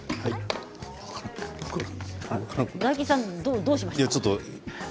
大吉さん、どうされましたか。